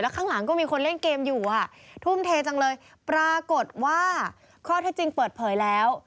ข้างหลังก็มีคนเล่นเกมอยู่อ่ะทุ่มเทจังเลยปรากฏว่าข้อเท็จจริงเปิดเผยแล้ว